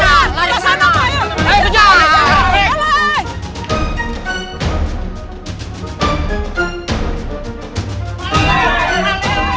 lari ke sana